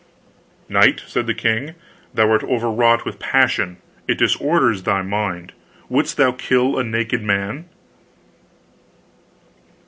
"Knight!" said the king. "Thou'rt overwrought with passion; it disorders thy mind. Wouldst kill a naked man?"